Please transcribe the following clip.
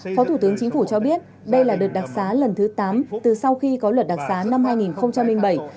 phó thủ tướng chính phủ cho biết đây là đợt đặc xá lần thứ tám từ sau khi có luật đặc giá năm hai nghìn bảy